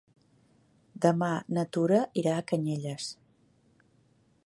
Demà na Tura irà a Canyelles.